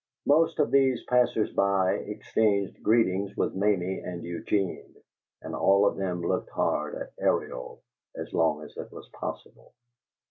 Most of these passers by exchanged greetings with Mamie and Eugene, and all of them looked hard at Ariel as long as it was possible.